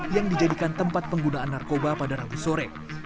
yang dijadikan tempat penggunaan narkoba pada rabu sore